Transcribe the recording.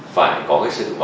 phải có cái sức khỏe